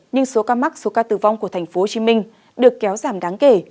nhưng số ca mắc số ca tử vong của tp hcm được kéo giảm đáng kể